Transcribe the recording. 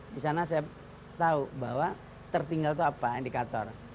di sana saya tahu bahwa tertinggal itu apa indikator